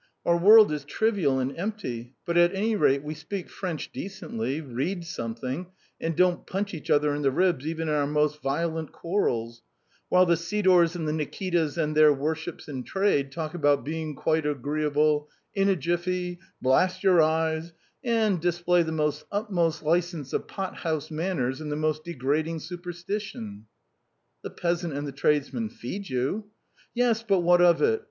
Our world is trivial and empty, but at any rate we speak French decently, read something, and don't punch each other in the ribs even in our most violent quarrels, while the Sidors and the Nikitas and their worships in trade talk about 'being quite agreeable,' 'in a jiffy,' 'blast your eyes,' and display the utmost license of pothouse manners and the most degrading superstition." "The peasant and the tradesman feed you." "Yes, but what of it?